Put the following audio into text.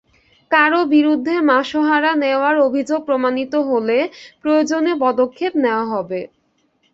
কারও বিরুদ্ধে মাসোহারা নেওয়ার অভিযোগ প্রমাণিত হলে প্রয়োজনীয় পদক্ষেপ নেওয়া হবে।